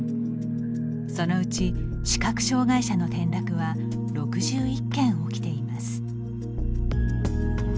そのうち、視覚障害者の転落は６１件起きています。